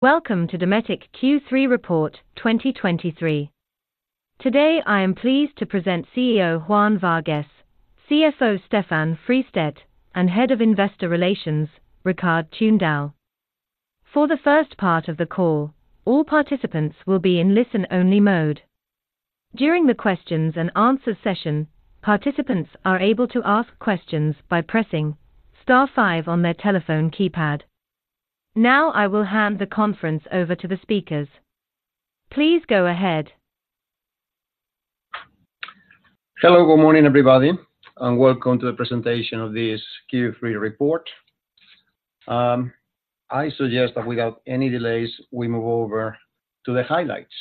Welcome to Dometic Q3 2023 Report. Today, I am pleased to present CEO Juan Vargues, CFO Stefan Fristedt, and Head of Investor Relations, Rikard Tunedal. For the first part of the call, all participants will be in listen-only mode. During the questions-and-answers session, participants are able to ask questions by pressing star five on their telephone keypad. Now, I will hand the conference over to the speakers. Please go ahead. Hello. Good morning, everybody, and welcome to the presentation of this Q3 report. I suggest that without any delays, we move over to the highlights.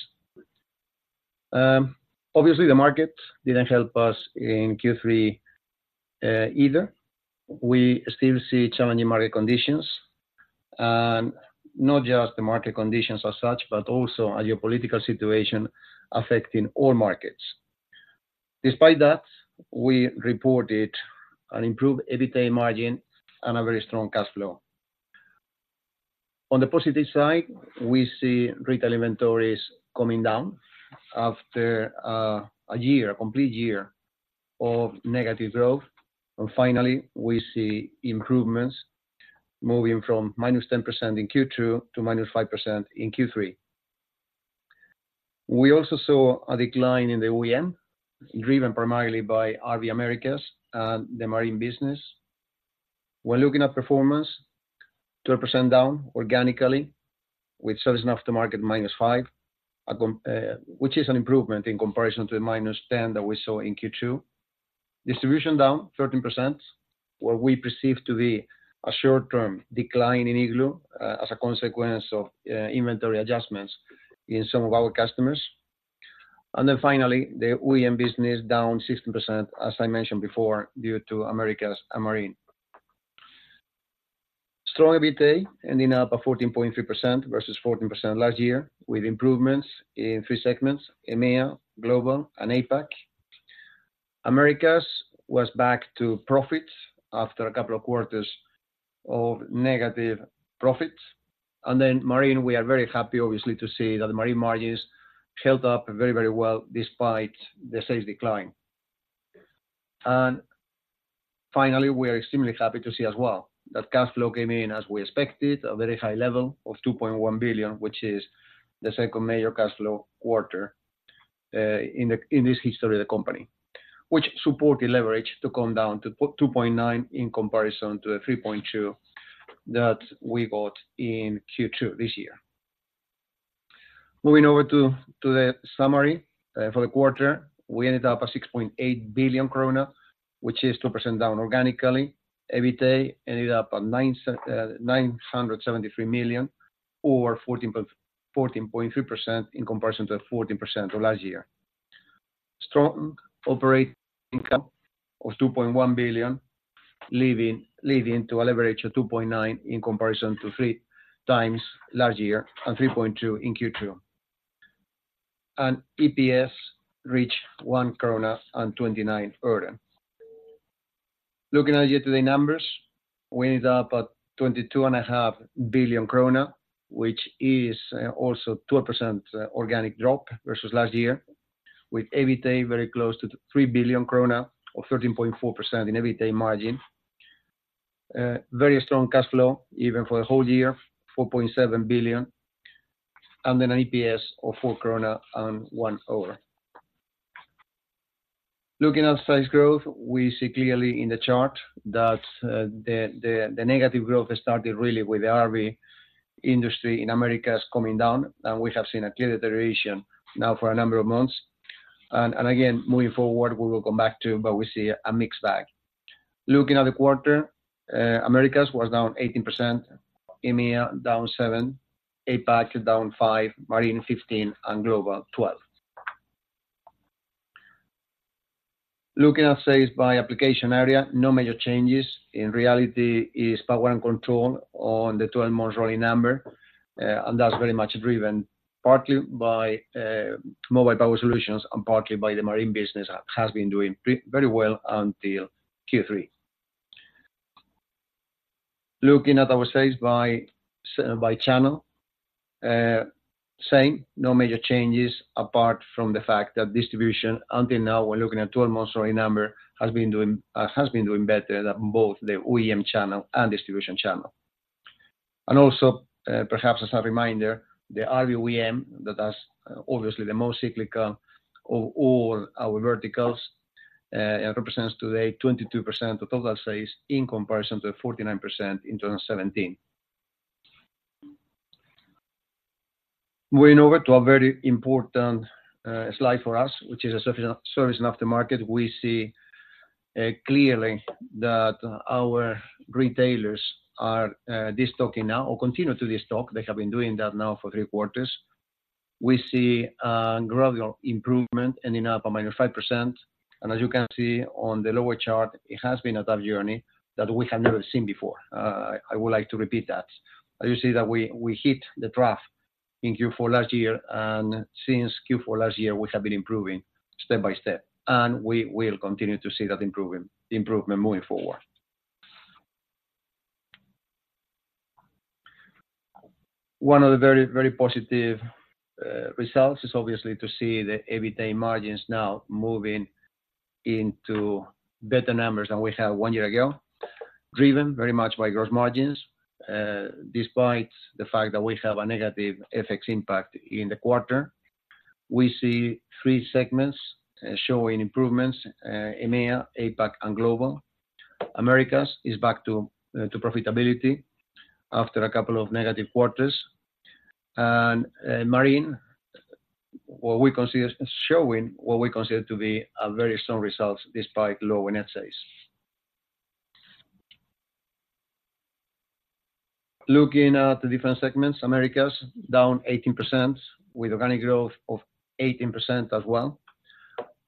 Obviously, the market didn't help us in Q3, either. We still see challenging market conditions, and not just the market conditions as such, but also a geopolitical situation affecting all markets. Despite that, we reported an improved EBITDA margin and a very strong cash flow. On the positive side, we see retail inventories coming down after, a year, a complete year of negative growth, and finally, we see improvements moving from -10% in Q2 to -5% in Q3. We also saw a decline in the OEM, driven primarily by RV Americas and the Marine business. When looking at performance, 12% down organically, with Service & Aftermarket minus five. Which is an improvement in comparison to the -10 that we saw in Q2. Distribution down 13%, what we perceive to be a short-term decline in Igloo as a consequence of inventory adjustments in some of our customers. And then finally, the OEM business down 16%, as I mentioned before, due to Americas and Marine. Strong EBITDA, ending up at 14.3% versus 14% last year, with improvements in three segments: EMEA, Global, and APAC. Americas was back to profit after a couple of quarters of negative profits. And then Marine, we are very happy, obviously, to see that the Marine margins held up very, very well despite the sales decline. And finally, we are extremely happy to see as well that cash flow came in as we expected, a very high level of 2.1 billion, which is the second major cash flow quarter in the, in this history of the company, which support the leverage to come down to 2.9 in comparison to the 3.2 that we got in Q2 this year. Moving over to the summary for the quarter. We ended up at 6.8 billion krona, which is 2% down organically. EBITDA ended up at 973 million or 14.3% in comparison to 14% of last year. Strong operating income of 2.1 billion, leading to a leverage of 2.9 in comparison to 3 times last year and 3.2 in Q2. EPS reached 1.29 krona. Looking at year-to-date numbers, we ended up at 22.5 billion krona, which is also 12%, organic drop versus last year, with EBITDA very close to 3 billion krona or 13.4% in EBITDA margin. Very strong cash flow, even for the whole year, 4.7 billion, and then an EPS of 4.01 krona. Looking at sales growth, we see clearly in the chart that the negative growth has started really with the RV industry in Americas coming down, and we have seen a clear deterioration now for a number of months. Moving forward, we will come back to, but we see a mixed bag. Looking at the quarter, Americas was down 18%, EMEA down 7%, APAC down 5%, Marine 15%, and Global 12%. Looking at sales by application area, no major changes. In reality, is Power and Control on the 12-month rolling number, and that's very much driven partly by Mobile Power Solutions and partly by the Marine business, has been doing very well until Q3. Looking at our sales by channel, same, no major changes, apart from the fact that Distribution, until now, we're looking at 12-month rolling number, has been doing better than both the OEM channel and Distribution channel. And also, perhaps as a reminder, the RV OEM, that is obviously the most cyclical of all our verticals, it represents today 22% of total sales in comparison to 49% in 2017. Moving over to a very important slide for us, which is a Service & Aftermarket. We see clearly that our retailers are destocking now or continue to destock. They have been doing that now for three quarters. We see a gradual improvement, ending up at -5%. And as you can see on the lower chart, it has been a tough journey that we have never seen before. I would like to repeat that. As you see that we, we hit the trough in Q4 last year, and since Q4 last year, we have been improving step by step, and we will continue to see that improving, improvement moving forward. One of the very, very positive results is obviously to see the EBITA margins now moving into better numbers than we had one year ago, driven very much by gross margins. Despite the fact that we have a negative FX impact in the quarter, we see three segments showing improvements, EMEA, APAC, and Global. Americas is back to profitability after a couple of negative quarters. Marine, what we consider showing, what we consider to be a very strong results, despite low net sales. Looking at the different segments, Americas, down 18%, with organic growth of 18% as well.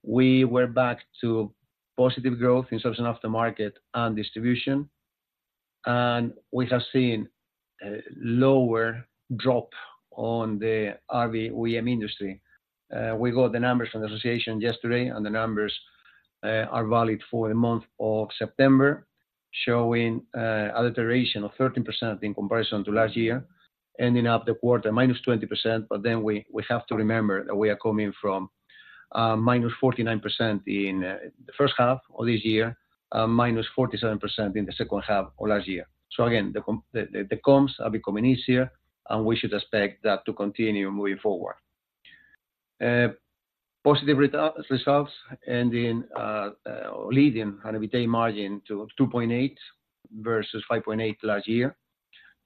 We were back to positive growth in Service & Aftermarket and Distribution, and we have seen a lower drop on the RV OEM industry. We got the numbers from the association yesterday, and the numbers are valid for the month of September, showing a deterioration of 13% in comparison to last year, ending up the quarter -20%, but then we have to remember that we are coming from -49% in the first half of this year, -47% in the second half of last year. So again, the comps are becoming easier, and we should expect that to continue moving forward. Positive results, ending leading an EBITA margin to 2.8 versus 5.8 last year.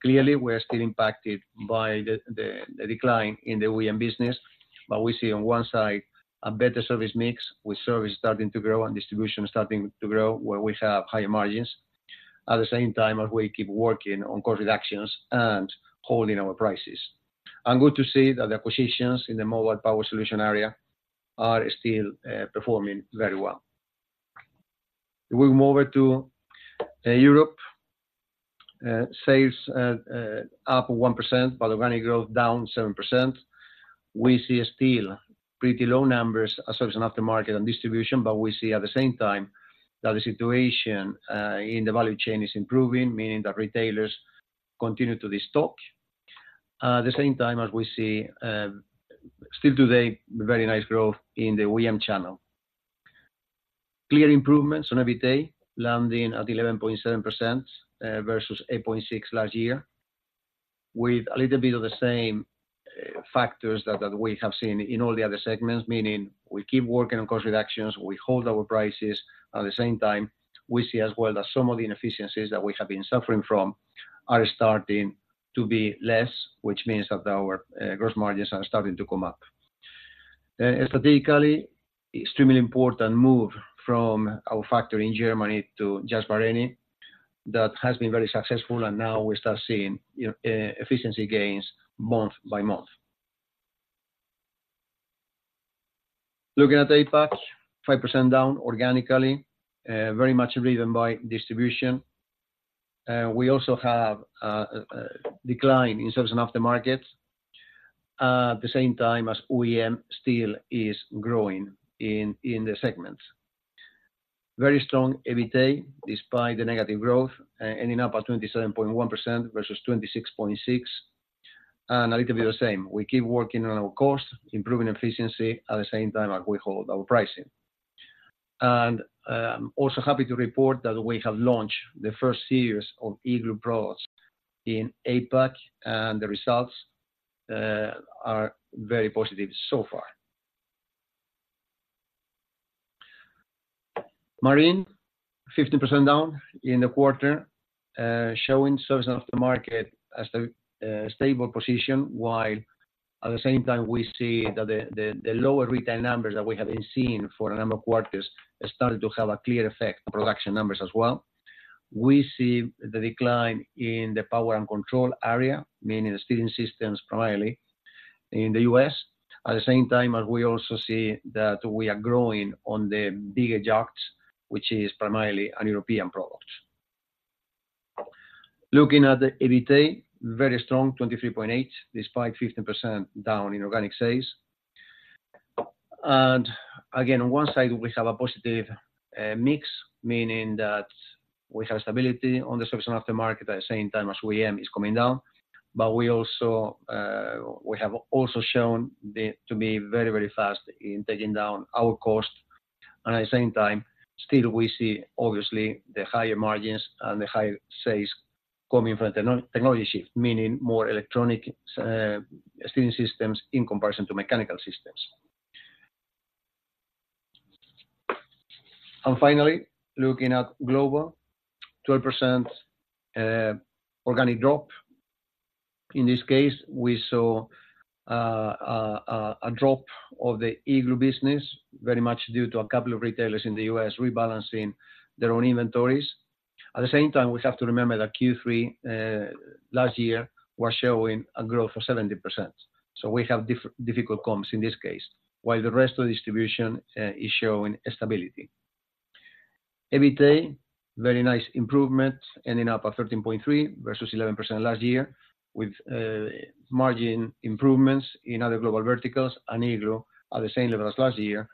Clearly, we are still impacted by the decline in the OEM business, but we see on one side a better service mix, with service starting to grow and distribution starting to grow, where we have higher margins. At the same time, as we keep working on cost reductions and holding our prices. Good to see that the acquisitions in the Mobile Power Solutions area are still performing very well. We move over to Europe. Sales up 1%, but organic growth down 7%. We see still pretty low numbers as Service & Aftermarket and distribution, but we see at the same time that the situation in the value chain is improving, meaning that retailers continue to restock. At the same time as we see still today, very nice growth in the OEM channel. Clear improvements on EBITA, landing at 11.7%, versus 8.6% last year, with a little bit of the same factors that we have seen in all the other segments, meaning we keep working on cost reductions, we hold our prices. At the same time, we see as well that some of the inefficiencies that we have been suffering from are starting to be less, which means that our gross margins are starting to come up. Strategically, extremely important move from our factory in Germany to Jászberény. That has been very successful, and now we start seeing efficiency gains month by month. Looking at APAC, 5% down organically, very much driven by distribution. We also have a decline in Service & Aftermarket, at the same time as OEM still is growing in the segment. Very strong EBITA, despite the negative growth, ending up at 27.1% versus 26.6%. A little bit of the same, we keep working on our costs, improving efficiency, at the same time as we hold our pricing. Also happy to report that we have launched the first series of Igloo products in APAC, and the results are very positive so far. Marine, 15% down in the quarter, showing Service & Aftermarket as the stable position, while at the same time we see that the lower retail numbers that we have been seeing for a number of quarters have started to have a clear effect on production numbers as well. We see the decline in the power and control area, meaning the steering systems primarily in the U.S. At the same time, as we also see that we are growing on the bigger yachts, which is primarily an European product. Looking at the EBITA, very strong, 23.8, despite 15% down in organic sales. And again, on one side, we have a positive mix, meaning that we have stability on the Service & aftermarket, at the same time as OEM is coming down. But we also, we have also shown to be very, very fast in taking down our cost. And at the same time, still, we see obviously the higher margins and the higher sales coming from the technology shift, meaning more electronic steering systems in comparison to mechanical systems. And finally, looking at Global, 12%, organic drop. In this case, we saw a drop of the Igloo business, very much due to a couple of retailers in the U.S. rebalancing their own inventories. At the same time, we have to remember that Q3 last year was showing a growth of 70%. So we have difficult comps in this case, while the rest of the distribution is showing stability. EBITA, very nice improvement, ending up at 13.3% versus 11% last year, with margin improvements in other global verticals and Igloo at the same level as last year,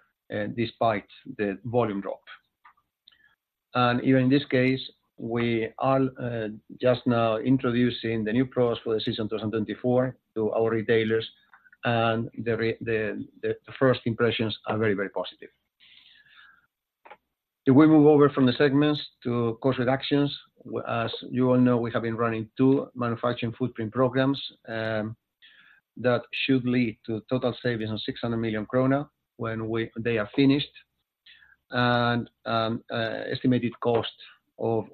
despite the volume drop. And even in this case, we are just now introducing the new products for the season 2024 to our retailers, and the first impressions are very, very positive. If we move over from the segments to cost reductions, as you all know, we have been running two manufacturing footprint programs that should lead to total savings of 600 million krona when they are finished. And estimated cost of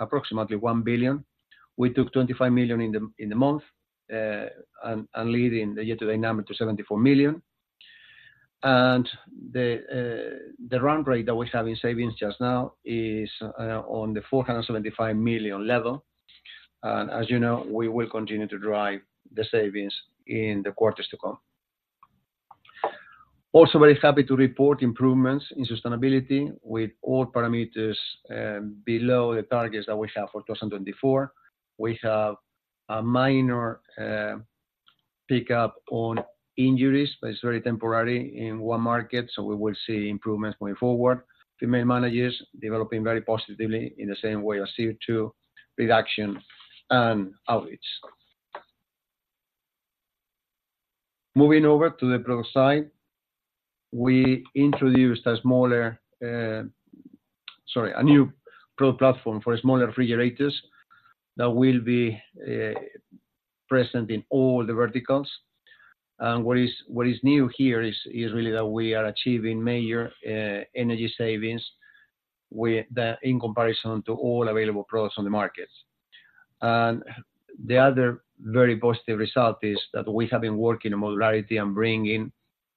approximately 1 billion. We took 25 million in the month and leading the year-to-date number to 74 million. And the run rate that we have in savings just now is on the 475 million level. And as you know, we will continue to drive the savings in the quarters to come. Also, very happy to report improvements in sustainability with all parameters below the targets that we have for 2024. We have a minor pick up in inventories, but it's very temporary in one market, so we will see improvements going forward. Female managers developing very positively in the same way as CO2 reduction and outage. Moving over to the product side, we introduced a smaller, a new product platform for smaller refrigerators that will be present in all the verticals. And what is new here is really that we are achieving major energy savings with them in comparison to all available products on the markets. And the other very positive result is that we have been working on modularity and bringing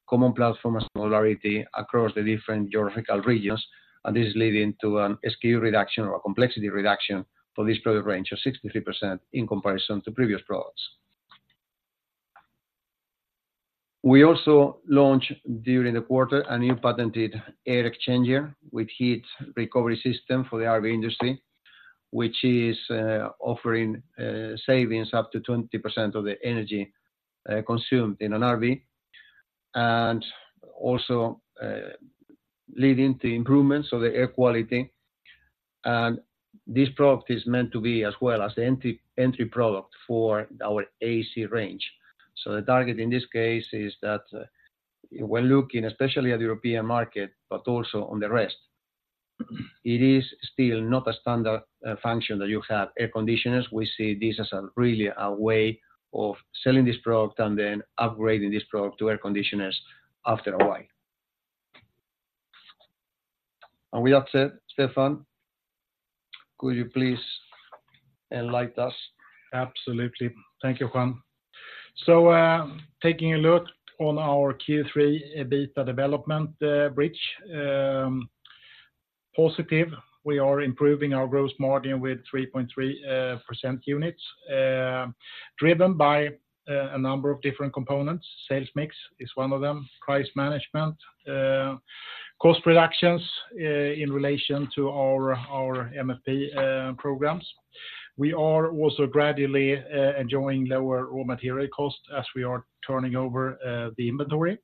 common platform and modularity across the different geographical regions, and this is leading to an SKU reduction or a complexity reduction for this product range of 63% in comparison to previous products. We also launched, during the quarter, a new patented air exchanger with heat recovery system for the RV industry, which is offering savings up to 20% of the energy consumed in an RV, and also leading to improvements of the air quality. And this product is meant to be as well as the entry product for our AC range. So the target in this case is that we're looking especially at the European market, but also on the rest. It is still not a standard function that you have air conditioners. We see this as really a way of selling this product and then upgrading this product to air conditioners after a while. And with that said, Stefan, could you please enlighten us? Absolutely. Thank you, Juan. So, taking a look at our Q3 EBITDA development bridge, positive, we are improving our gross margin with 3.3 percentage points, driven by a number of different components. Sales mix is one of them, price management, cost reductions in relation to our MFP programs. We are also gradually enjoying lower raw material costs as we are turning over the inventory.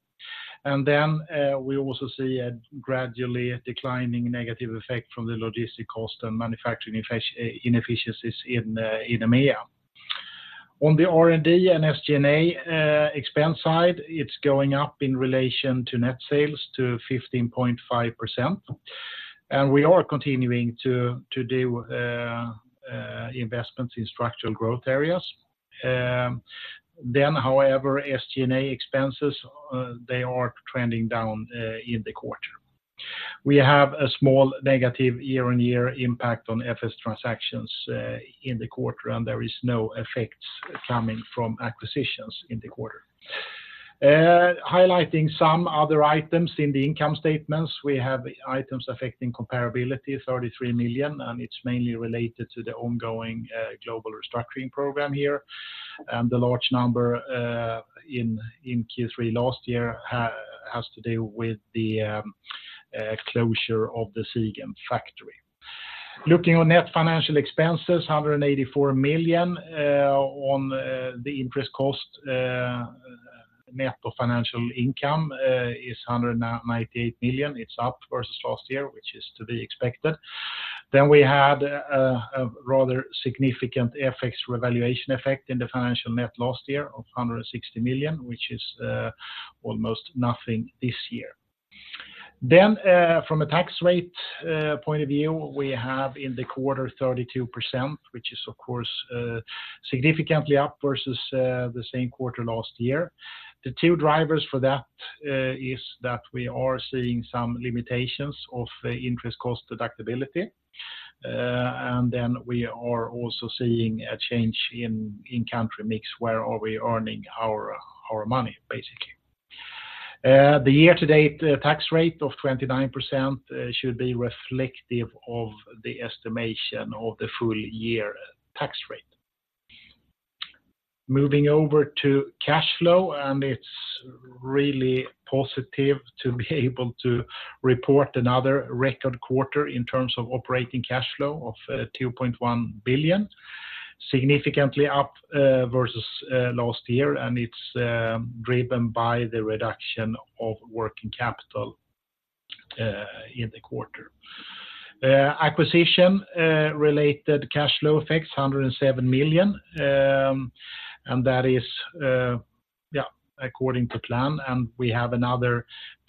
And then, we also see a gradually declining negative effect from the logistics costs and manufacturing inefficiencies in EMEA. On the R&D and SG&A expense side, it's going up in relation to net sales to 15.5%, and we are continuing to do investments in structural growth areas. Then, however, SG&A expenses, they are trending down in the quarter. We have a small negative year-on-year impact on FX transactions in the quarter, and there is no effects coming from acquisitions in the quarter. Highlighting some other items in the income statements, we have items affecting comparability, 33 million, and it's mainly related to the ongoing global restructuring program here. And the large number in Q3 last year has to do with the closure of the Siegen factory. Looking on net financial expenses, 184 million, on the interest cost, net of financial income, is 198 million. It's up versus last year, which is to be expected. Then we had a rather significant FX revaluation effect in the financial net last year of 160 million, which is almost nothing this year. Then, from a tax rate point of view, we have in the quarter 32%, which is, of course, significantly up versus the same quarter last year. The two drivers for that is that we are seeing some limitations of interest cost deductibility, and then we are also seeing a change in country mix, where we are earning our money, basically. The year-to-date tax rate of 29% should be reflective of the estimation of the full year tax rate. Moving over to cash flow, and it's really positive to be able to report another record quarter in terms of operating cash flow of 2.1 billion, significantly up versus last year, and it's driven by the reduction of working capital in the quarter. Acquisition-related cash flow effects, 107 million, and that is according to plan, and we have another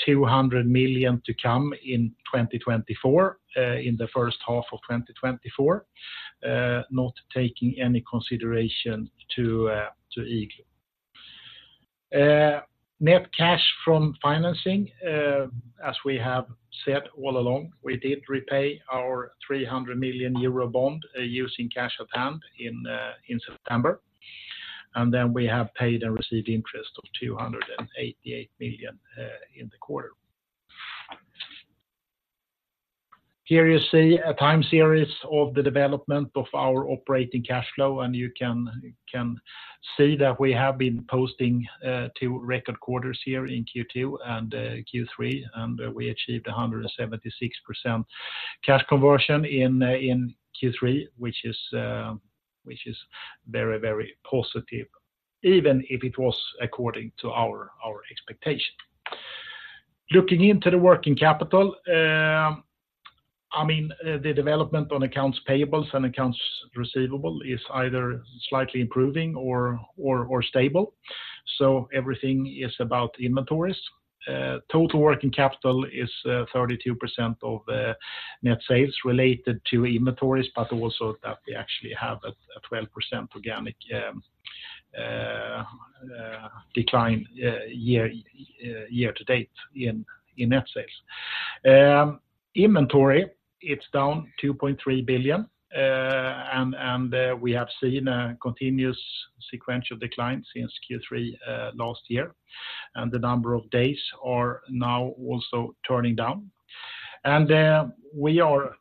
200 million to come in 2024, in the first half of 2024, not taking any consideration to Igloo. Net cash from financing, as we have said all along, we did repay our 300 million euro bond, using cash at hand in September. And then we have paid and received interest of 288 million in the quarter. Here you see a time series of the development of our operating cash flow, and you can, you can see that we have been posting two record quarters here in Q2 and Q3, and we achieved 176% cash conversion in Q3, which is very, very positive, even if it was according to our expectation. Looking into the working capital, I mean, the development on accounts payables and accounts receivable is either slightly improving or stable, so everything is about inventories. Total working capital is 32% of net sales related to inventories, but also that we actually have a 12% organic decline year to date in net sales. Inventory, it's down 2.3 billion, and we have seen a continuous sequential decline since Q3 last year, and the number of days are now also turning down. We are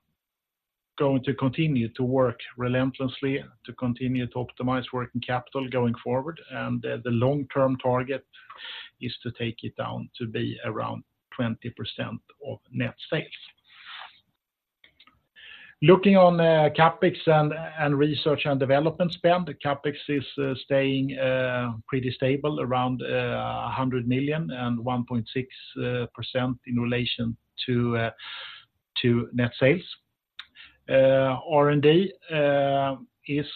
going to continue to work relentlessly to continue to optimize working capital going forward, and the long-term target is to take it down to be around 20% of net sales. Looking on CapEx and research and development spend, the CapEx is staying pretty stable around 100 million and 1.6% in relation to net sales. R&D is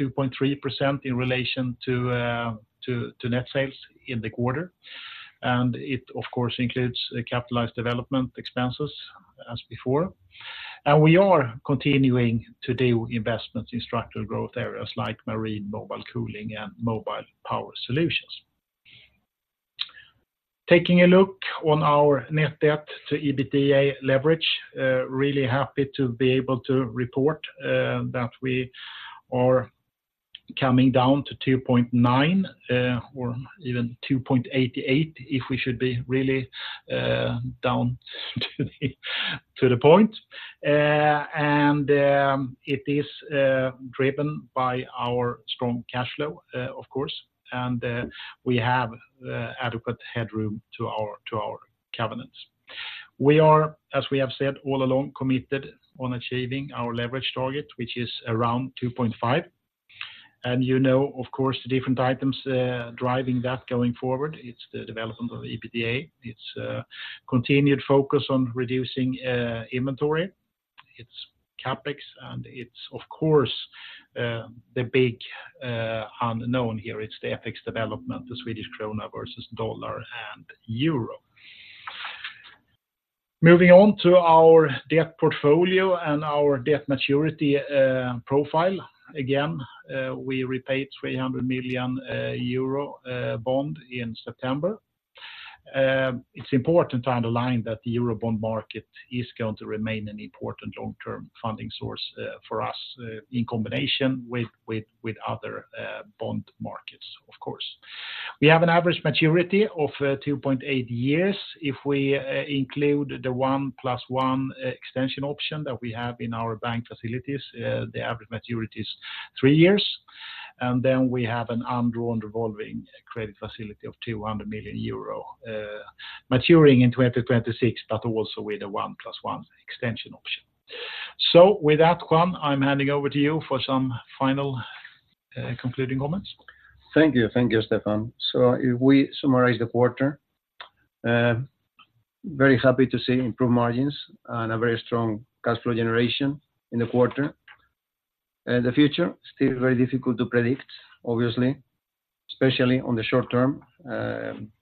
2.3% in relation to net sales in the quarter, and it of course includes capitalized development expenses as before. And we are continuing to do investments in structural growth areas like marine, Mobile Cooling, and Mobile Power Solutions. Taking a look on our net debt to EBITDA leverage, really happy to be able to report, that we are coming down to 2.9, or even 2.88, if we should be really, down to the point. And, it is driven by our strong cash flow, of course, and, we have adequate headroom to our covenants. We are, as we have said all along, committed on achieving our leverage target, which is around 2.5, and you know, of course, the different items, driving that going forward. It's the development of the EBITDA. It's continued focus on reducing inventory. It's CapEx, and it's of course the big unknown here, it's the FX development, the Swedish krona versus dollar and euro. Moving on to our debt portfolio and our debt maturity profile. Again, we repaid 300 million euro bond in September. It's important to underline that the euro bond market is going to remain an important long-term funding source for us in combination with other bond markets, of course. We have an average maturity of 2.8 years. If we include the 1+1 extension option that we have in our bank facilities, the average maturity is 3 years, and then we have an undrawn revolving credit facility of 200 million euro maturing in 2026, but also with a 1+1 extension option. With that, Juan, I'm handing over to you for some final, concluding comments. Thank you. Thank you, Stefan. So if we summarize the quarter, very happy to see improved margins and a very strong cash flow generation in the quarter. The future, still very difficult to predict, obviously, especially on the short term.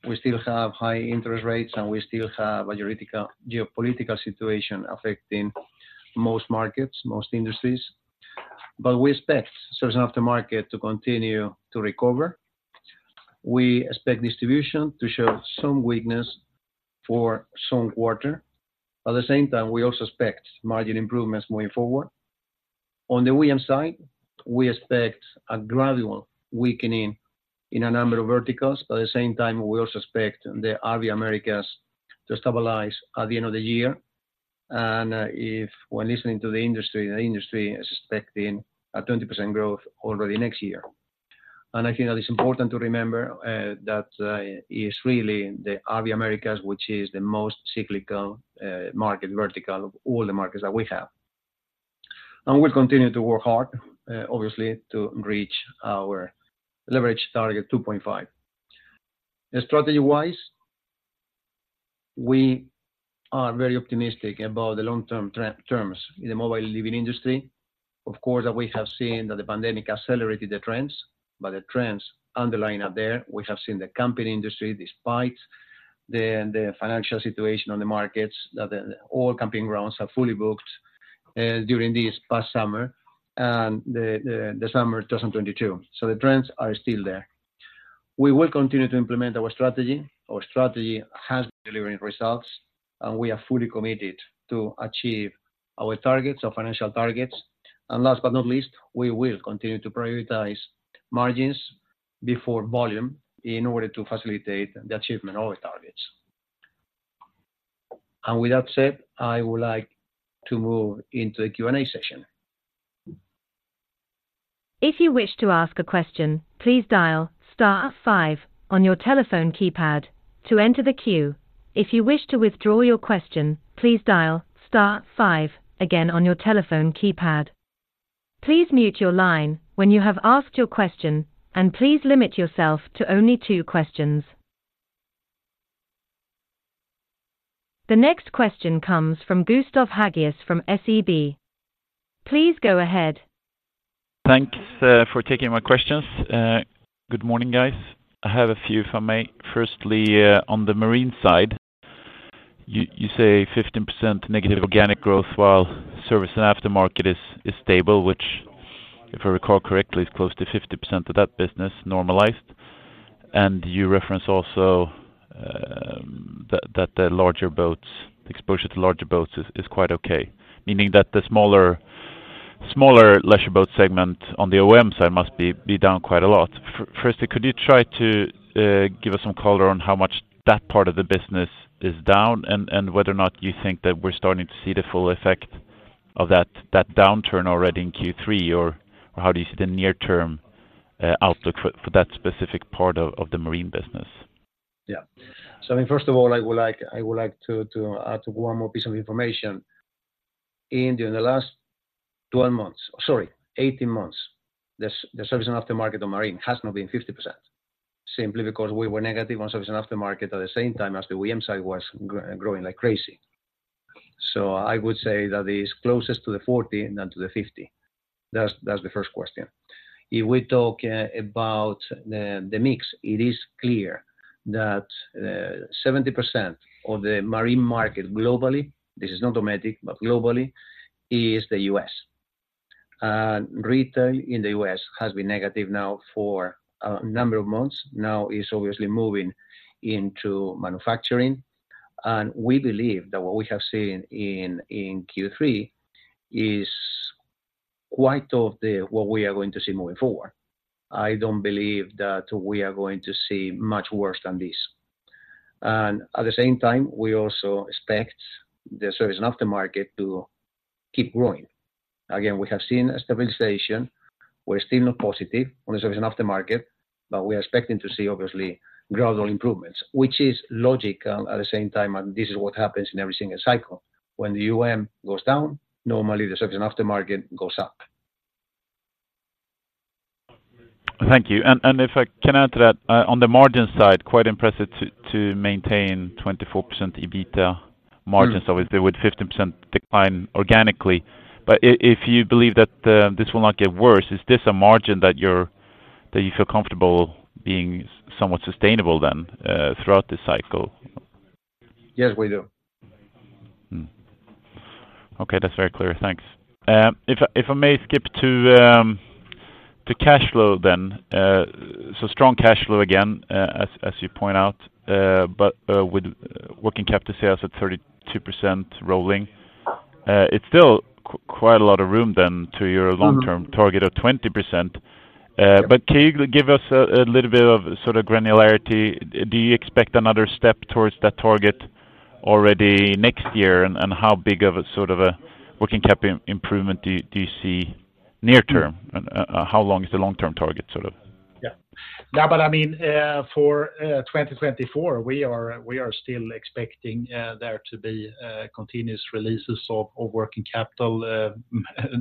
We still have high interest rates, and we still have a geopolitical situation affecting most markets, most industries. But we expect certain after market to continue to recover. We expect distribution to show some weakness for some quarter. At the same time, we also expect margin improvements moving forward. On the OEM side, we expect a gradual weakening in a number of verticals, but at the same time, we also expect the RV Americas to stabilize at the end of the year. And, if when listening to the industry, the industry is expecting a 20% growth already next year. I think that it's important to remember that it is really the RV Americas, which is the most cyclical market vertical of all the markets that we have. We'll continue to work hard, obviously, to reach our leverage target, 2.5. Strategy-wise, we are very optimistic about the long-term terms in the mobile living industry. Of course, that we have seen that the pandemic accelerated the trends, but the trends underlying are there. We have seen the camping industry, despite the financial situation on the markets, that all camping grounds are fully booked during this past summer and the summer of 2022. So the trends are still there. We will continue to implement our strategy. Our strategy has been delivering results, and we are fully committed to achieve our targets, our financial targets. And last but not least, we will continue to prioritize margins before volume in order to facilitate the achievement of our targets. And with that said, I would like to move into the Q&A session. If you wish to ask a question, please dial Star 5 on your telephone keypad to enter the queue. If you wish to withdraw your question, please dial Star 5 again on your telephone keypad. Please mute your line when you have asked your question, and please limit yourself to only two questions. The next question comes from Gustav Hagéus from SEB. Please go ahead. Thanks for taking my questions. Good morning, guys. I have a few, if I may. Firstly, on the marine side, you say 15% negative organic growth, while Service & Aftermarket is stable, which, if I recall correctly, is close to 50% of that business normalized. And you reference also that the larger boats exposure to larger boats is quite okay, meaning that the smaller leisure boat segment on the OEM side must be down quite a lot. Firstly, could you try to give us some color on how much that part of the business is down, and whether or not you think that we're starting to see the full effect of that downturn already in Q3, or how do you see the near-term outlook for that specific part of the Marine business? Yeah. So I mean, first of all, I would like, I would like to, to add one more piece of information. In during the last 12 months. Sorry, 18 months, the Service & Aftermarket on marine has not been 50%, simply because we were negative on Service & Aftermarket at the same time as the OEM side was growing like crazy. So I would say that it's closest to the 40, not to the 50. That's the first question. If we talk about the mix, it is clear that 70% of the Marine market globally, this is not automatic, but globally, is the U.S. And retail in the U.S. has been negative now for a number of months. Now, it's obviously moving into manufacturing, and we believe that what we have seen in Q3 is quite a bit of what we are going to see moving forward. I don't believe that we are going to see much worse than this. At the same time, we also expect the Service & Aftermarket to keep growing. Again, we have seen a stabilization. We're still not positive on the Service & Aftermarket, but we are expecting to see obviously gradual improvements, which is logical at the same time, and this is what happens in every single cycle. When the OEM goes down, normally the Service & Aftermarket goes up. Thank you. If I can add to that, on the margin side, quite impressive to maintain 24% EBITDA margins obviously, with 15% decline organically. But if you believe that, this will not get worse, is this a margin that you're, that you feel comfortable being somewhat sustainable then, throughout this cycle? Yes, we do. Okay, that's very clear. Thanks. If I may skip to cash flow then. So strong cash flow again, as you point out, but with working capital sales at 32% rolling, it's still quite a lot of room then to your long-term target of 20%. But can you give us a little bit of sort of granularity? Do you expect another step towards that target already next year? And how big of a sort of a working capital improvement do you see near term? How long is the long-term target sort of? Yeah. Yeah, but I mean, for 2024, we are, we are still expecting there to be continuous releases of working capital,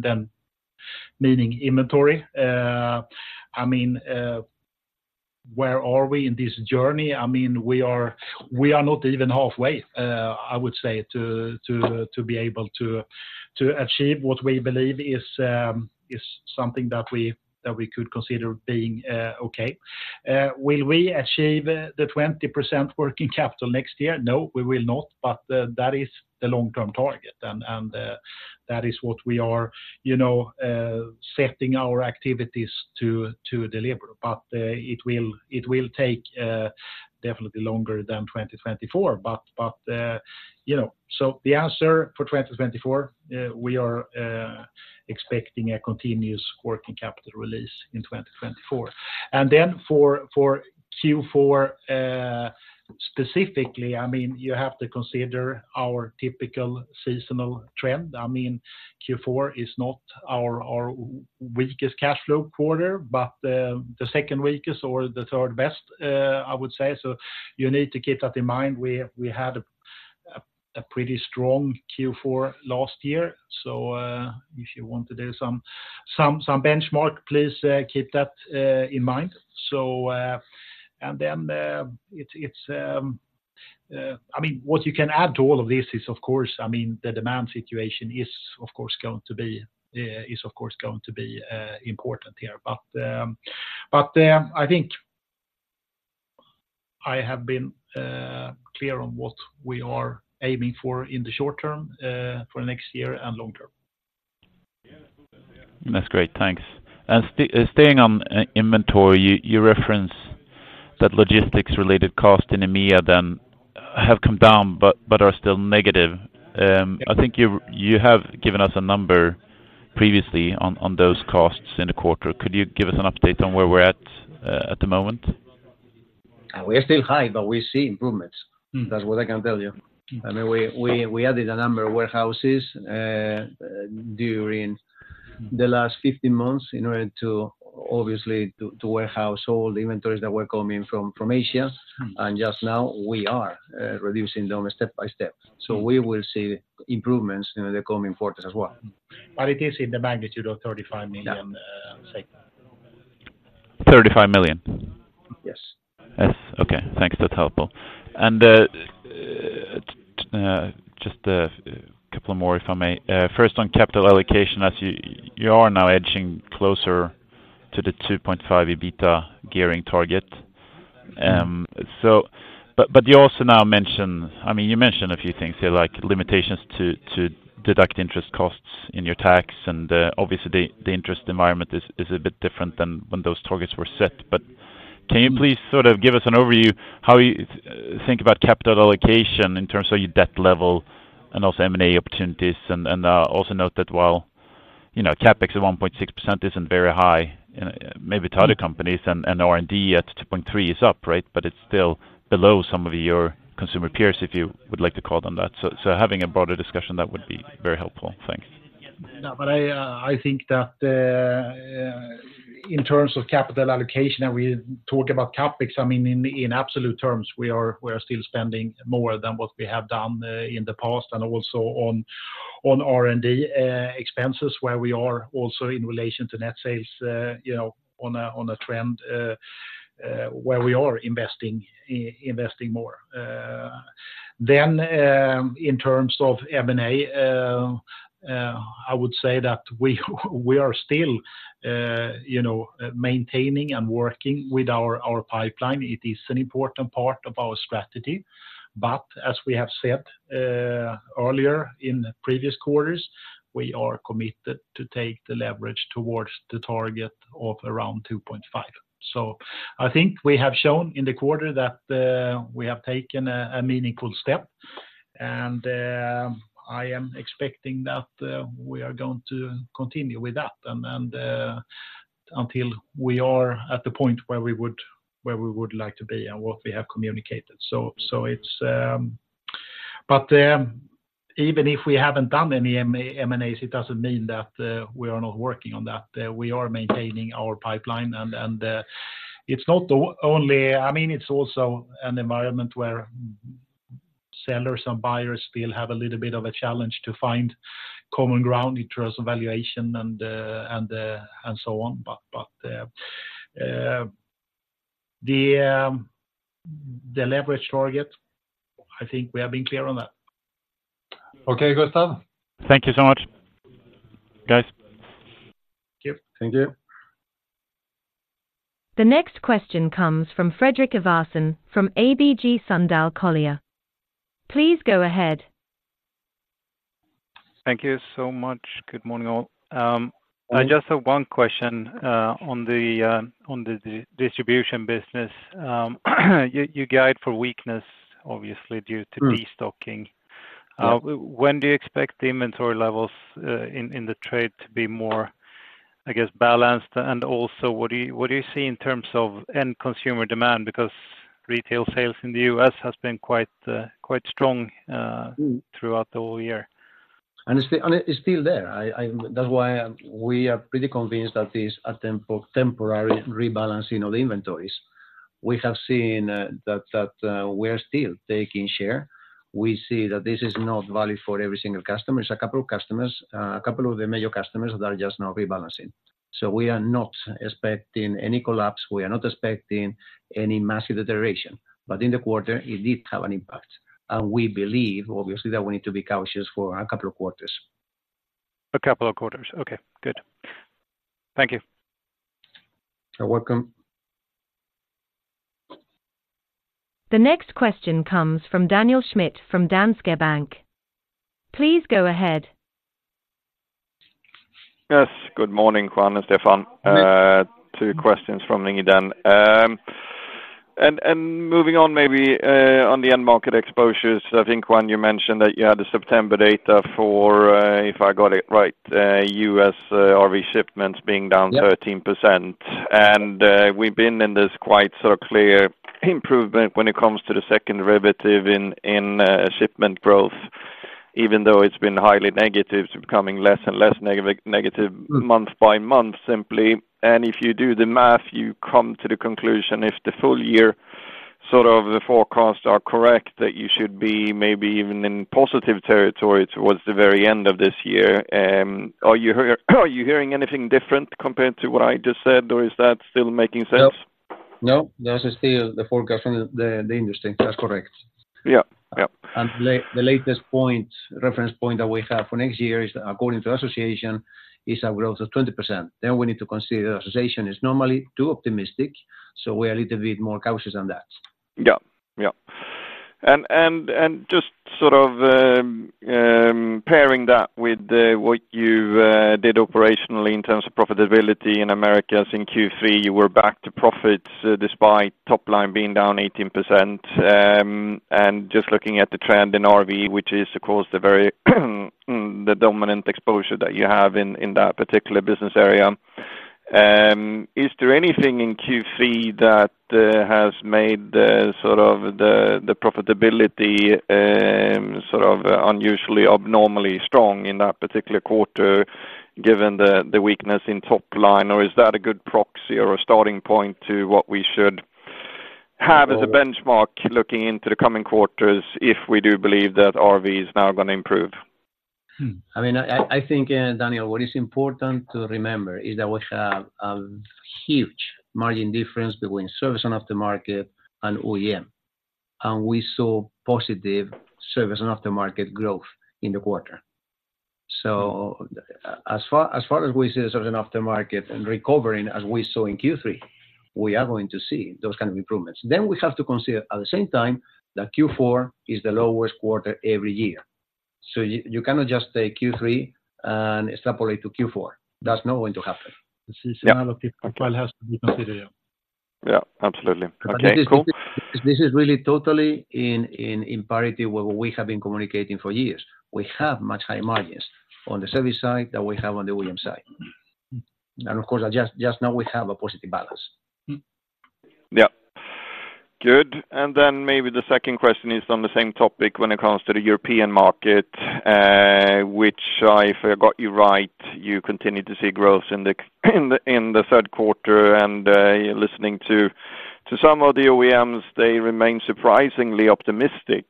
then meaning inventory. I mean, where are we in this journey? I mean, we are, we are not even halfway, I would say, to, to, to be able to, to achieve what we believe is, is something that we, that we could consider being okay. Will we achieve the 20% working capital next year? No, we will not, but that is the long-term target, and, and that is what we are, you know, setting our activities to, to deliver. But it will, it will take definitely longer than 2024. You know, so the answer for 2024, we are expecting a continuous working capital release in 2024. And then for Q4. Specifically, I mean, you have to consider our typical seasonal trend. I mean, Q4 is not our weakest cash flow quarter, but the second weakest or the third best, I would say. So you need to keep that in mind. We had a pretty strong Q4 last year, so if you want to do some benchmark, please keep that in mind. So, and then, it's, I mean, what you can add to all of this is, of course, I mean, the demand situation is, of course, going to be important here. I think I have been clear on what we are aiming for in the short term, for the next year and long term. That's great. Thanks. And staying on inventory, you reference that logistics related cost in EMEA then have come down, but are still negative. I think you've given us a number previously on those costs in the quarter. Could you give us an update on where we're at, at the moment? We are still high, but we see improvements. Mm. That's what I can tell you. I mean, we added a number of warehouses during the last 15 months in order to, obviously, to warehouse all the inventories that were coming from Asia. Just now we are reducing them step by step. So we will see improvements in the coming quarters as well. But it is in the magnitude of 35 million, say. Thirty-five million? Yes. Yes. Okay, thanks. That's helpful. And just a couple more, if I may. First, on capital allocation, as you are now edging closer to the 2.5 EBITA gearing target. So. But you also now mention—I mean, you mentioned a few things here, like limitations to deduct interest costs in your tax. And obviously, the interest environment is a bit different than when those targets were set. But can you please sort of give us an overview, how you think about capital allocation in terms of your debt level and also M&A opportunities? And also note that while, you know, CapEx at 1.6% isn't very high, maybe to other companies and R&D at 2.3% is up, right? It's still below some of your consumer peers, if you would like to call on that. Having a broader discussion, that would be very helpful. Thanks. No, but I, I think that, in terms of capital allocation, and we talk about CapEx, I mean, in, in absolute terms, we are, we are still spending more than what we have done, in the past, and also on, on R&D, expenses, where we are also in relation to net sales, you know, on a, on a trend, where we are investing, investing more. Then, in terms of M&A, I would say that we, we are still, you know, maintaining and working with our, our pipeline. It is an important part of our strategy, but as we have said, earlier in the previous quarters, we are committed to take the leverage towards the target of around 2.5. So I think we have shown in the quarter that we have taken a meaningful step, and I am expecting that we are going to continue with that until we are at the point where we would like to be and what we have communicated. Even if we haven't done any M&As, it doesn't mean that we are not working on that. We are maintaining our pipeline and I mean, it's also an environment where sellers and buyers still have a little bit of a challenge to find common ground in terms of valuation and so on. But the leverage target, I think we have been clear on that. Okay, Gustav. Thank you so much, guys. Thank you. Thank you. The next question comes from Fredrik Ivarsson from ABG Sundal Collier. Please go ahead. Thank you so much. Good morning, all. I just have one question on the Distribution business. You guide for weakness, obviously, due to destocking. Yeah. When do you expect the inventory levels in the trade to be more, I guess, balanced? And also, what do you see in terms of end consumer demand? Because retail sales in the U.S. has been quite, quite strong throughout the whole year. And it's still there. That's why we are pretty convinced that this is a temporary rebalancing of the inventories. We have seen that we're still taking share. We see that this is not valid for every single customer. It's a couple of customers, a couple of the major customers that are just now rebalancing. So we are not expecting any collapse. We are not expecting any massive deterioration, but in the quarter, it did have an impact. And we believe, obviously, that we need to be cautious for a couple of quarters. A couple of quarters. Okay, good. Thank you. You're welcome. The next question comes from Daniel Schmidt from Danske Bank. Please go ahead. Yes, good morning, Juan and Stefan. Yes. Two questions from me then. Moving on, maybe, on the end market exposures, I think, Juan, you mentioned that you had the September data for, if I got it right, U.S. RV shipments being down 13%. And we've been in this quite so clear improvement when it comes to the second derivative in shipment growth, even though it's been highly negative, it's becoming less and less negative month by month, simply. And if you do the math, you come to the conclusion, if the full year, sort of the forecasts are correct, that you should be maybe even in positive territory towards the very end of this year. Are you hearing anything different compared to what I just said, or is that still making sense? No. No, that is still the forecast from the industry. That's correct. Yeah. Yep. The latest point, reference point that we have for next year is, according to association, is a growth of 20%. Then we need to consider the association is normally too optimistic, so we are a little bit more cautious than that. Yeah. Yeah. And just sort of pairing that with what you did operationally in terms of profitability in Americas in Q3, you were back to profit despite top line being down 18%. And just looking at the trend in RV, which is, of course, the very dominant exposure that you have in that particular business area. Is there anything in Q3 that has made the sort of the profitability sort of unusually, abnormally strong in that particular quarter, given the weakness in top line? Or is that a good proxy or a starting point to what we should have as a benchmark looking into the coming quarters if we do believe that RV is now gonna improve? I mean, I think, Daniel, what is important to remember is that we have huge margin difference between Service & Aftermarket and OEM, and we saw positive Service & Aftermarket growth in the quarter. So as far as we see the Service & Aftermarket recovering as we saw in Q3, we are going to see those kind of improvements. Then we have to consider at the same time that Q4 is the lowest quarter every year. So you cannot just take Q3 and extrapolate to Q4. That's not going to happen. The seasonality profile has to be considered, yeah. Yeah, absolutely. Okay, cool. This is really totally in parity with what we have been communicating for years. We have much high margins on the service side than we have on the OEM side. And of course, I just now we have a positive balance. Hmm. Yeah. Good. Then maybe the second question is on the same topic when it comes to the European market, which, if I got you right, you continue to see growth in the Q3 and you're listening to some of the OEMs, they remain surprisingly optimistic.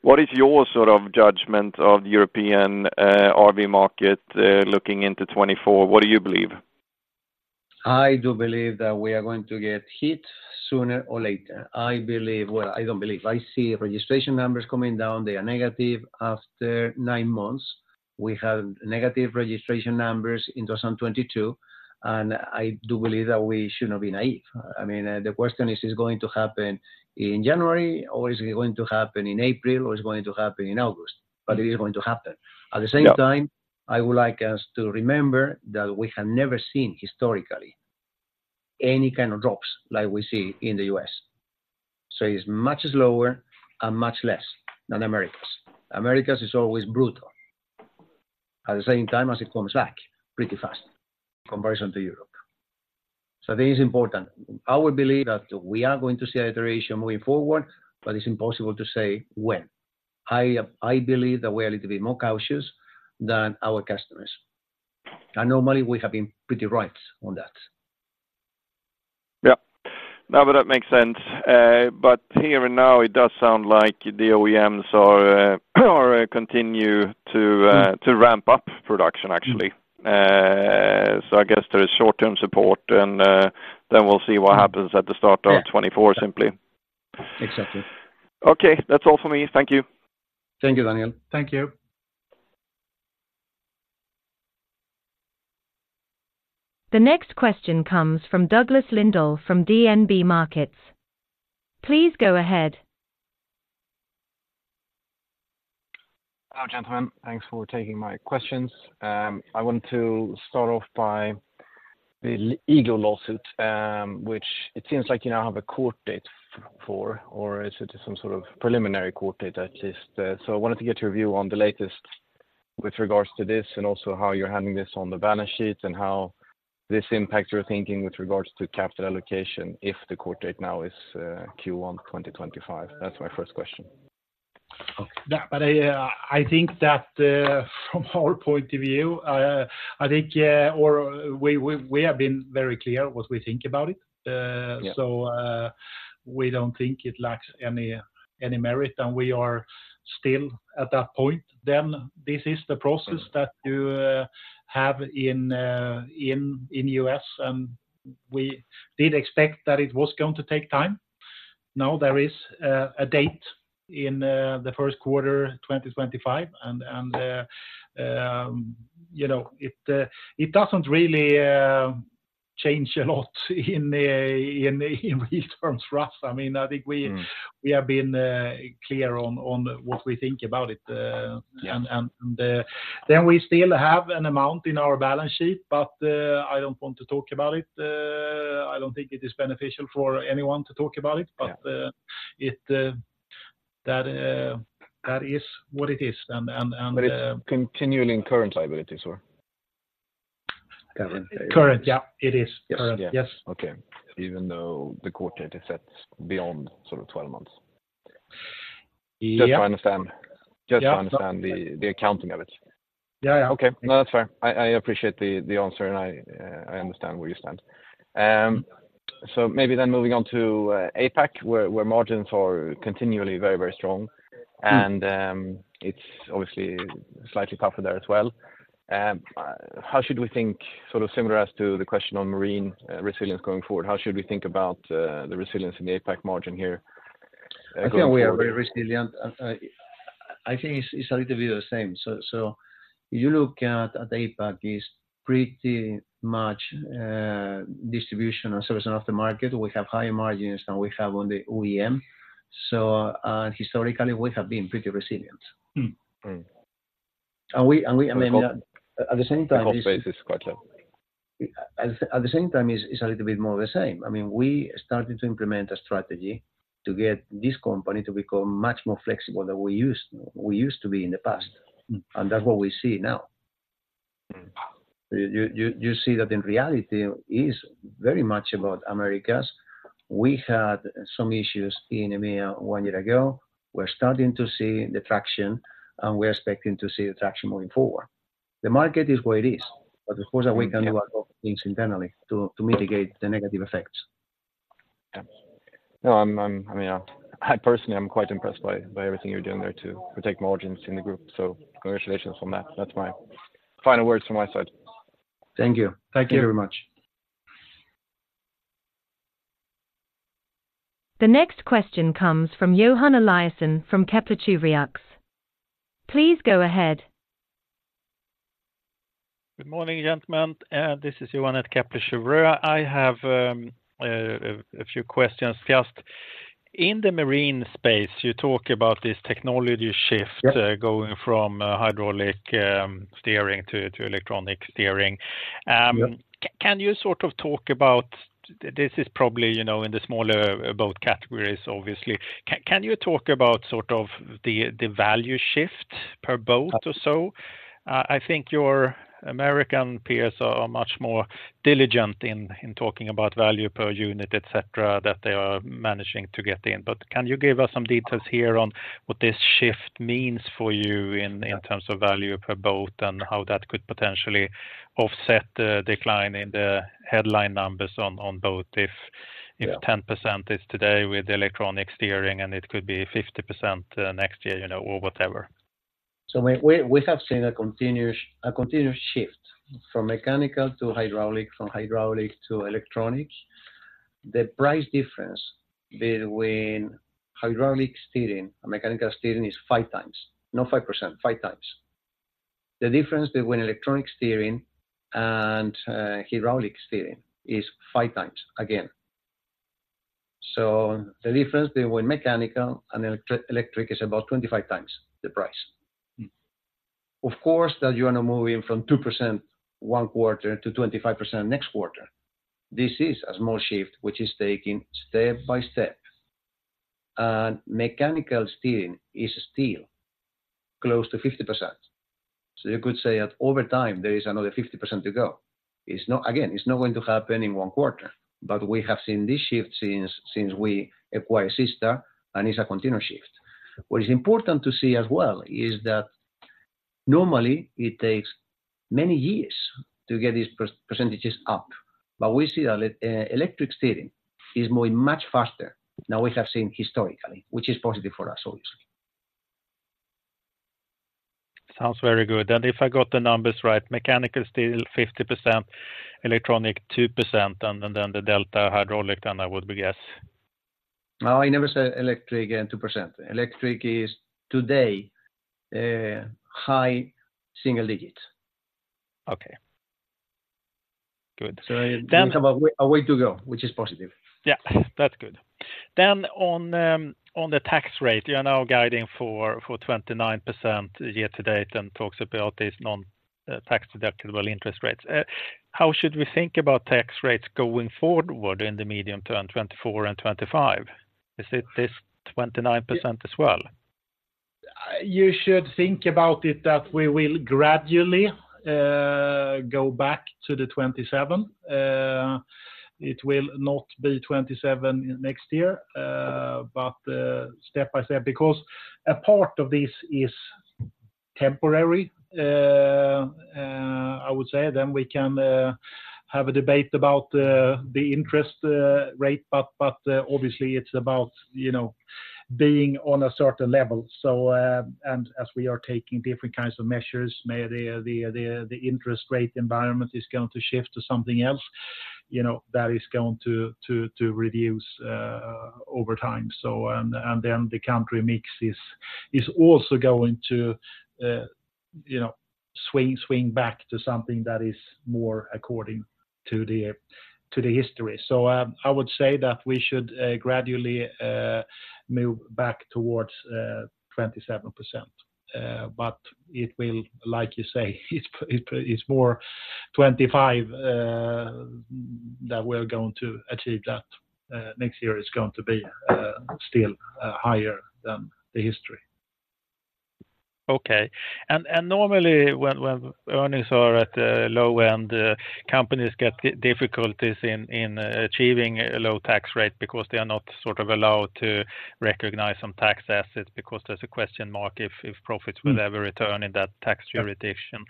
What is your sort of judgment of the European RV market looking into 2024? What do you believe? I do believe that we are going to get hit sooner or later. I believe... Well, I don't believe. I see registration numbers coming down, they are negative after nine months. We have negative registration numbers in 2022, and I do believe that we should not be naive. I mean, the question is, is going to happen in January, or is it going to happen in April, or is it going to happen in August? But it is going to happen. Yeah. At the same time, I would like us to remember that we have never seen historically any kind of drops like we see in the U.S. So it's much slower and much less than Americas. Americas is always brutal. At the same time as it comes back, pretty fast in comparison to Europe. So this is important. I would believe that we are going to see an iteration moving forward, but it's impossible to say when. I, I believe that we are a little bit more cautious than our customers, and normally, we have been pretty right on that. Yeah. No, but that makes sense. But here and now, it does sound like the OEMs are continuing to ramp up production actually. So I guess there is short-term support, and then we'll see what happens at the start of 2024, simply. Exactly. Okay, that's all for me. Thank you. Thank you, Daniel. Thank you. The next question comes from Douglas Lindahl, from DNB Markets. Please go ahead. Hello, gentlemen. Thanks for taking my questions. I want to start off by the legal lawsuit, which it seems like you now have a court date for, or is it some sort of preliminary court date at least? So I wanted to get your view on the latest with regards to this, and also how you're handling this on the balance sheet, and how this impacts your thinking with regards to capital allocation if the court date now is, Q1 2025. That's my first question. Yeah, but I think that from our point of view, I think or we have been very clear what we think about it. Yeah So, we don't think it lacks any merit, and we are still at that point. Then this is the process that you have in the U.S., and we did expect that it was going to take time. Now, there is a date in the Q1, 2025, and you know, it doesn't really change a lot in these terms for us. I mean, I think we have been clear on what we think about it. Yeah Then we still have an amount in our balance sheet, but I don't want to talk about it. I don't think it is beneficial for anyone to talk about it but that is what it is. It's continually in current liability, sorry? And current, yeah, it is current, yes. Okay. Even though the quarter is set beyond sort of 12 months? Yeah. Just to understand the accounting of it. Yeah, yeah. Okay. No, that's fair. I appreciate the answer, and I understand where you stand. So maybe then moving on to APAC, where margins are continually very, very strong, and it's obviously slightly tougher there as well. How should we think sort of similar as to the question on marine resilience going forward? How should we think about the resilience in the APAC margin here going forward? I think we are very resilient. I think it's, it's a little bit of the same. So, so you look at, at APAC is pretty much distribution and service of the market. We have higher margins than we have on the OEM, so, historically, we have been pretty resilient. Mm-hmm. And we, and we- And then- At the same time- The cost base is quite low. At the same time, it's a little bit more of the same. I mean, we started to implement a strategy to get this company to become much more flexible than we used to be in the past, and that's what we see now. Mm. You see that in reality is very much about Americas. We had some issues in EMEA one year ago. We're starting to see the traction, and we're expecting to see the traction moving forward. The market is where it is, but of course, we can do a lot of things internally to mitigate the negative effects. Yeah. No, I'm, I mean, I personally am quite impressed by everything you're doing there to protect margins in the group, so congratulations on that. That's my final words from my side. Thank you. Thank you. Thank you very much. The next question comes from Johan Eliason from Kepler Cheuvreux. Please go ahead. Good morning, gentlemen. This is Johan at Kepler Cheuvreux. I have a few questions. Just in the marine space, you talk about this technology shift going from hydraulic steering to electronic steering. Yeah. Can you sort of talk about this? This is probably, you know, in the smaller boat categories, obviously. Can you talk about sort of the value shift per boat or so? I think your American peers are much more diligent in talking about value per unit, et cetera, that they are managing to get in. But can you give us some details here on what this shift means for you in terms of value per boat, and how that could potentially offset the decline in the headline numbers on boat, if 10% is today with electronic steering, and it could be 50% next year, you know, or whatever? So we have seen a continuous shift from mechanical to hydraulic, from hydraulic to electronic. The price difference between hydraulic steering and mechanical steering is 5 times. Not 5%, 5 times. The difference between electronic steering and hydraulic steering is 5 times again. So the difference between mechanical and electric is about 25 times the price. Mm. Of course, that you are not moving from 2% one quarter to 25% next quarter. This is a small shift, which is taking step by step. And mechanical steering is still close to 50%. So you could say that over time, there is another 50% to go. It's not, again, it's not going to happen in one quarter, but we have seen this shift since we acquired SeaStar, and it's a continuous shift. What is important to see as well is that normally it takes many years to get these percentages up, but we see that electric steering is moving much faster than we have seen historically, which is positive for us, obviously. Sounds very good. If I got the numbers right, mechanical steering 50%, electronic 2%, and then the delta hydraulic, and I would guess. No, I never said electric and 2%. Electric is today, high single digits. Okay. Good. So- Then- A way to go, which is positive. Yeah, that's good. Then on the tax rate, you are now guiding for 29% year to date and talks about this non-tax deductible interest rates. How should we think about tax rates going forward in the medium term, 2024 and 2025? Is it this 29% as well? You should think about it that we will gradually go back to the 27%. It will not be 27% next year, but step by step, because a part of this is temporary, I would say. Then we can have a debate about the interest rate, but obviously, it's about, you know, being on a certain level. So, and as we are taking different kinds of measures, maybe the interest rate environment is going to shift to something else, you know, that is going to reduce over time. So, and then the country mix is also going to, you know, swing back to something that is more according to the history. I would say that we should gradually move back towards 27%. But it will, like you say, it's more 25 that we're going to achieve that. Next year is going to be still higher than the history. Okay, and normally when earnings are at the low end, companies get difficulties in achieving a low tax rate because they are not sort of allowed to recognize some tax assets, because there's a question mark if profits will ever return in that tax jurisdiction.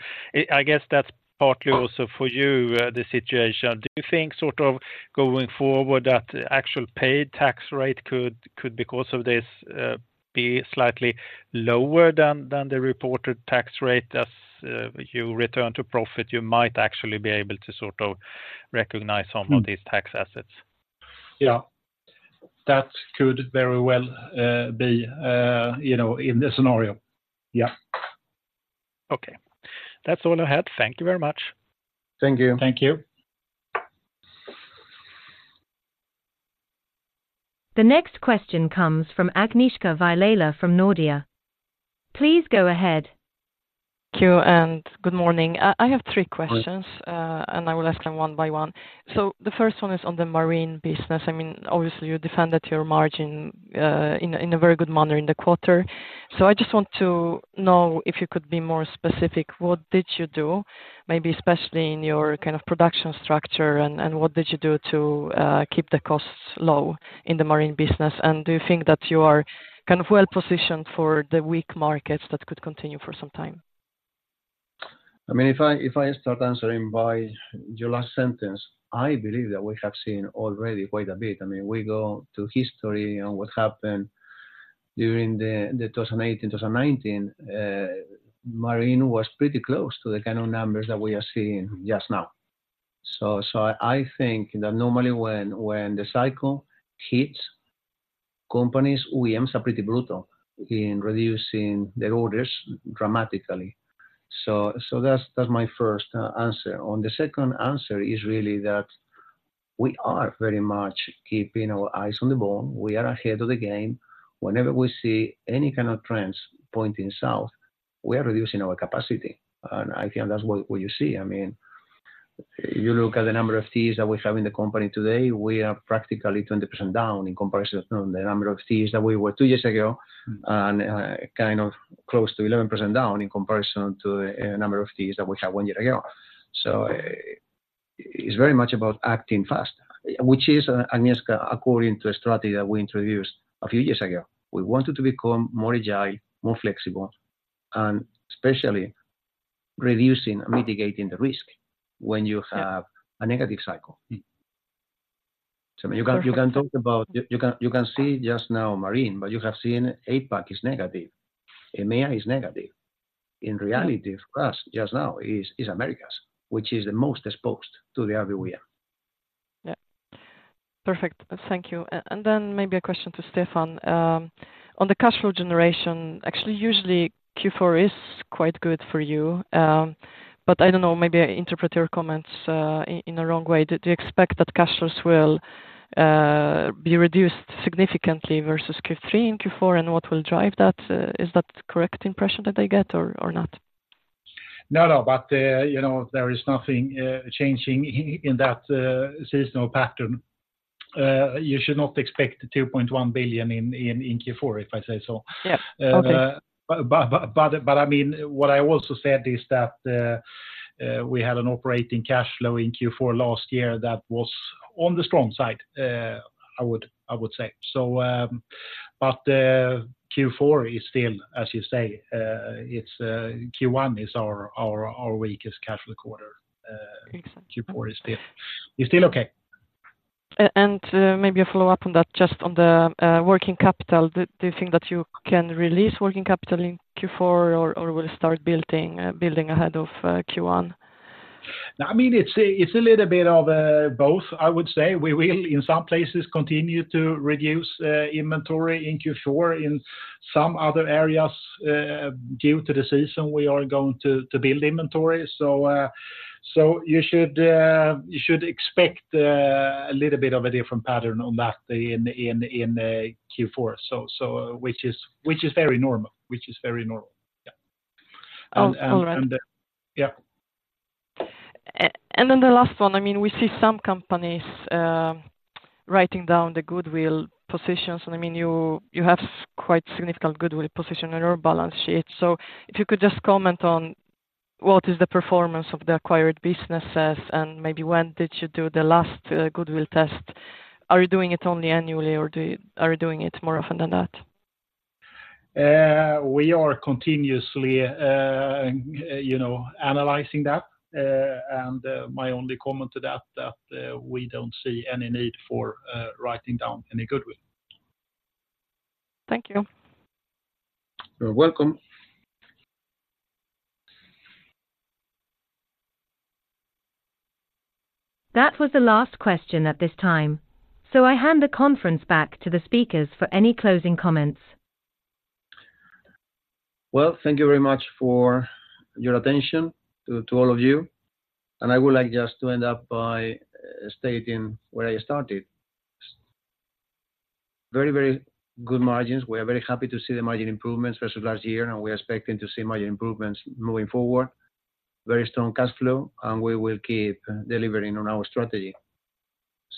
I guess that's partly also for you the situation. Do you think sort of going forward, that actual paid tax rate could, because of this, be slightly lower than the reported tax rate as you return to profit, you might actually be able to sort of recognize some of these tax assets? Yeah. That could very well be, you know, in the scenario. Yeah. Okay. That's all I had. Thank you very much. Thank you. Thank you. The next question comes from Agnieszka Vilela from Nordea. Please go ahead. Thank you, and good morning. I have three questions- Hi. I will ask them one by one. So the first one is on the Marine business. I mean, obviously, you defended your margin in a very good manner in the quarter. So I just want to know if you could be more specific, what did you do? Maybe especially in your kind of production structure, and what did you do to keep the costs low in the Marine business? And do you think that you are kind of well positioned for the weak markets that could continue for some time? I mean, if I, if I start answering by your last sentence, I believe that we have seen already quite a bit. I mean, we go to history and what happened during the, the 2018, 2019, marine was pretty close to the kind of numbers that we are seeing just now. So, so I think that normally when, when the cycle hits, companies, OEMs are pretty brutal in reducing their orders dramatically. So, so that's, that's my first, answer. On the second answer is really that we are very much keeping our eyes on the ball. We are ahead of the game. Whenever we see any kind of trends pointing south, we are reducing our capacity, and I think that's what, what you see. I mean, you look at the number of FTEs that we have in the company today. We are practically 20% down in comparison to the number of FTEs that we were two years ago, and kind of close to 11% down in comparison to the number of FTEs that we had one year ago. So it's very much about acting fast, which is, Agnieszka, according to a strategy that we introduced a few years ago. We wanted to become more agile, more flexible, and especially reducing, mitigating the risk when you have a negative cycle. So I mean, you can talk about. You can see just now marine, but you have seen APAC is negative, EMEA is negative. In reality, of course, just now is Americas, which is the most exposed to the everywhere. Yeah. Perfect. Thank you. And then maybe a question to Stefan. On the cash flow generation, actually, usually Q4 is quite good for you. But I don't know, maybe I interpret your comments in the wrong way. Do you expect that cash flows will be reduced significantly versus Q3 and Q4? And what will drive that? Is that the correct impression that I get, or not? No, no. But you know, there is nothing changing in that seasonal pattern. You should not expect 2.1 billion in Q4, if I say so. Yes. Okay. But I mean, what I also said is that we had an operating cash flow in Q4 last year that was on the strong side, I would say. So, but Q4 is still, as you say, it's Q1 is our weakest cash flow quarter. Exactly. Q4 is still okay. And, maybe a follow-up on that, just on the working capital. Do you think that you can release working capital in Q4 or will it start building ahead of Q1? I mean, it's a little bit of both. I would say we will, in some places, continue to reduce inventory in Q4. In some other areas, due to the season, we are going to build inventory. So, you should expect a little bit of a different pattern on that in Q4. So, which is very normal. Which is very normal. Yeah. Oh, all right. Yeah. And then the last one, I mean, we see some companies writing down the goodwill positions, and I mean, you have quite significant goodwill position on your balance sheet. So if you could just comment on what is the performance of the acquired businesses, and maybe when did you do the last goodwill test? Are you doing it only annually, or are you doing it more often than that? We are continuously, you know, analyzing that. My only comment to that, that we don't see any need for writing down any goodwill. Thank you. You're welcome. That was the last question at this time, so I hand the conference back to the speakers for any closing comments. Well, thank you very much for your attention to all of you, and I would like just to end up by stating where I started. Very, very good margins. We are very happy to see the margin improvements versus last year, and we are expecting to see margin improvements moving forward. Very strong cash flow, and we will keep delivering on our strategy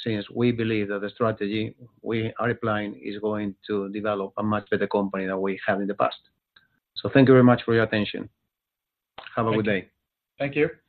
since we believe that the strategy we are applying is going to develop a much better company than we have in the past. So thank you very much for your attention. Have a good day. Thank you.